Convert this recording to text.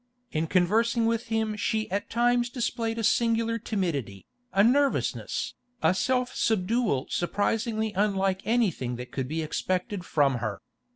In conversing with him she at times displayed a singular timidity, a nervousness, a self subdual surprisingly unlike anything that could be expected from her.